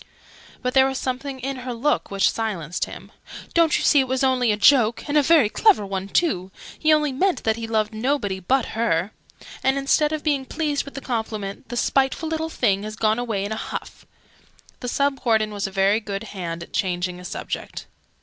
But there was something in her look which silenced him. "Don't you see it was only a joke? And a very clever one, too! He only meant that he loved nobody but her! And, instead of being pleased with the compliment, the spiteful little thing has gone away in a huff!" The Sub Warden was a very good hand at changing a subject.